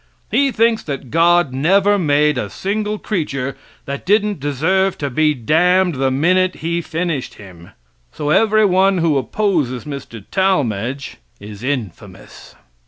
He thinks that God never made a single creature that didn't deserve to be damned the minute He finished him. So every one who opposes Mr. Talmage is infamous.